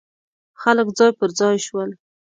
خلک ځای پر ځای شول.